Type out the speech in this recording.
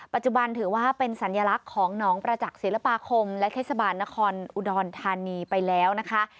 ปัจจุบันถือว่าเป็นสัญลักษณ์ของหนองประจักษ์ศิลปาคมและเทศบาลนครอุดรธานีไปแล้วนะคะ